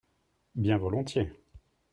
Bien volontiers.